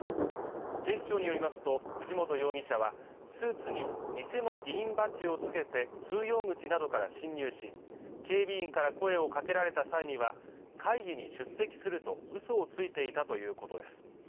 警視庁によりますと藤本容疑者はスーツに偽の議員バッジをつけて通用口などから侵入し警備員から声をかけられた際には会議に出席すると嘘をついていたということです